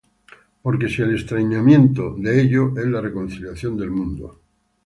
Porque si el extrañamiento de ellos es la reconciliación del mundo,